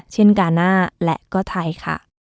เช่นกาหน้าและก็ไทยค่ะ